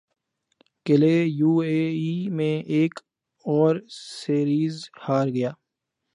قلعے U A E میں ایک اور سیریز ہار گیا